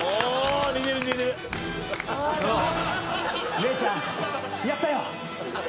姉ちゃんやったよ！